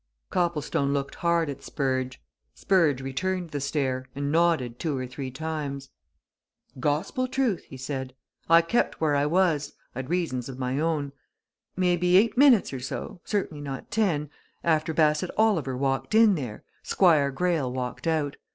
Copplestone looked hard at Spurge; Spurge returned the stare, and nodded two or three times. "Gospel truth!" he said. "I kept where I was I'd reasons of my own. May be eight minutes or so certainly not ten after Bassett Oliver walked in there, Squire Greyle walked out.